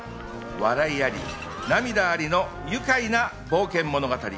笑いあり、涙ありの愉快な冒険物語。